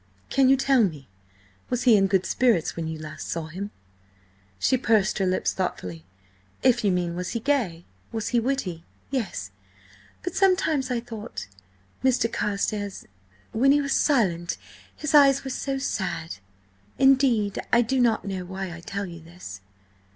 Can you tell me–was he in good spirits when last you saw him?" She pursed her lips thoughtfully. "If you mean was he gay, was he witty–yes. But sometimes I thought–Mr. Carstares, when he was silent, his eyes were so sad—! Indeed, I do not know why I tell you this."